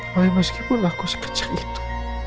tapi meskipun aku sekenceng itu